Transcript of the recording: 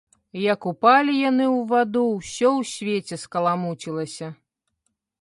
Як упалі яны ў ваду, усё ў свеце скаламуцілася.